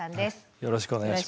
よろしくお願いします。